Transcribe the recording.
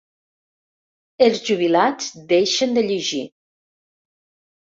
Els jubilats deixen de llegir.